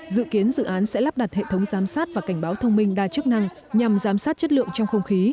dự kiến dự án sẽ lắp đặt hệ thống giám sát và cảnh báo thông minh đa chức năng nhằm giám sát chất lượng trong không khí